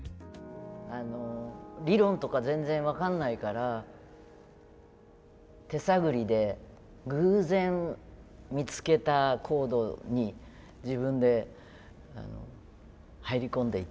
理論とか全然分かんないから手探りで偶然見つけたコードに自分で入り込んでいって。